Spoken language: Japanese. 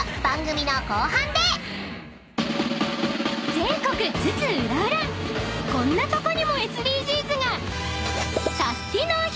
［全国津々浦々こんなとこにもＳＤＧｓが！］